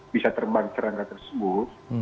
bisa terbang serangga tersebut